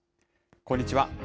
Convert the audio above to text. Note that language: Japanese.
こんにちは。